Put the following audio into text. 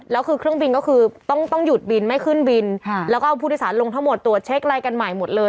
แล้วคือเครื่องบินก็คือต้องหยุดบินไม่ขึ้นบินแล้วก็เอาผู้โดยสารลงทั้งหมดตรวจเช็คอะไรกันใหม่หมดเลย